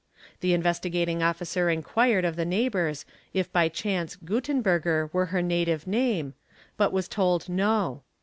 The Investigating Officer inquired of the | neighbours if by chance '"' Guttenberger'' were her native name, but was told "no''.